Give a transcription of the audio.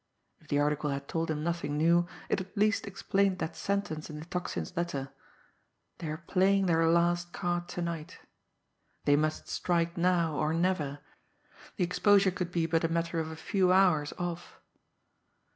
If the article had told him nothing new, it at least explained that sentence in the Tocsin's letter they are playing their last card to night. They must strike now, or never the exposure could be but a matter of a few hours off!